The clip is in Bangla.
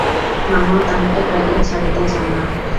মামাও তাহাকে পাইলে ছাড়িতে চান না।